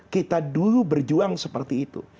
kita dulu berjuang seperti itu